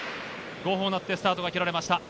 号砲鳴ってスタートが切られました。